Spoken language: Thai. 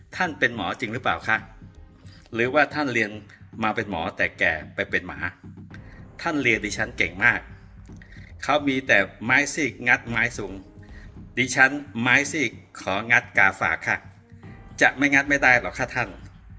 ท่านเป็นหมอจริงหรือเปล่าคะหรือว่าท่านเรียนมาเป็นหมอแต่แก่ไปเป็นหมาท่านเรียนดิฉันเก่งมากเขามีแต่ไม้ซีกงัดไม้สูงดิฉันไม้ซีกของงัดกาฝากค่ะจะไม่งัดไม่ได้หรอกค่ะท่าน